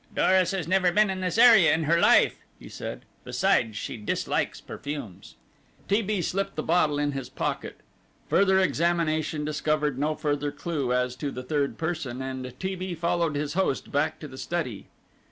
"Doris has never been in this area in her life," he said; "besides, she dislikes perfumes." T. B. slipped the bottle in his pocket. Further examination discovered no further clue as to the third person, and T. B. followed his host back to the study.